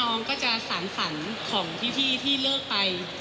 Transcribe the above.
น้องก็จะศัลศ่านของพิษฌีย์ที่เลิกไป